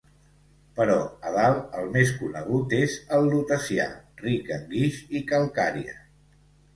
Però a dalt, el més conegut és el Lutecià, ric en guix i calcària.